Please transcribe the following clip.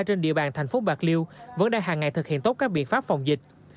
trên địa bàn thành phố bạc liêu vẫn đang hàng ngày thực hiện tốt các biện pháp phòng dịch